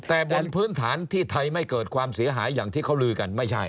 แต่บนพื้นฐานที่ไทยไม่เกิดความเสียหายอย่างที่เขาลือกันไม่ใช่